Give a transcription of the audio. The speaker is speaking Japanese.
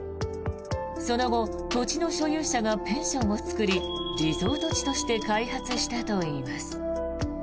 その後、土地の所有者がペンションを作りリゾートとして開発したといいます。